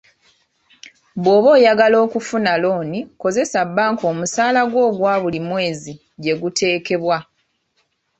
Bw'oba oyagala okufuna looni kozesa bbanka omusaalagwo ogwa buli mwezi gye guteekebwa.